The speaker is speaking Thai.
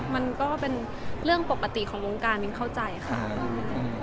มันก็เป็นเรื่องปกติของวงการมินเข้าใจค่ะ